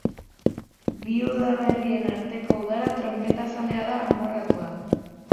Bi udaberrien arteko udara tronpetazalea da, amorratua.